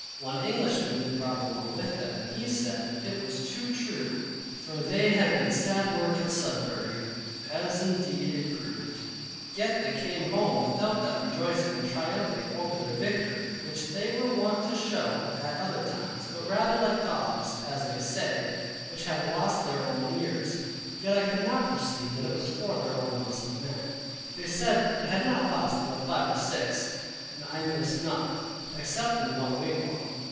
One Englishman they brought along with them: and he said, it was too true, for they had made sad work at Sudbury, as indeed it proved. Yet they came home without that rejoicing and triumphing over their victory which they were wont to show at other times; but rather like dogs (as they say) which have lost their ears. Yet I could not perceive that it was for their own loss of men. They said they had not lost above five or six; and I missed none, except in one wigwam.